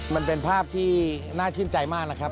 มันเป็นภาพที่น่าชื่นใจมากนะครับ